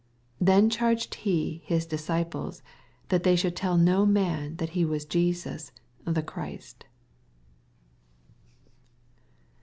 20 Then charged he his disciples that they should tell no man that he was Jesus the Christ.